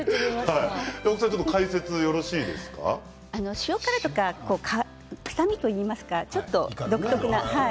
塩辛とかは、臭みというかちょっと独特な。